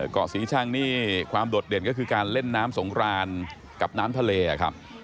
เกาะศรีชังนี่ความโดดเด่นก็คือการเล่นน้ำสงครานกับน้ำทะเลครับ